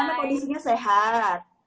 di mana kondisinya sehat